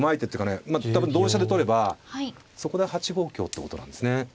多分同飛車で取ればそこで８五香ってことなんですね。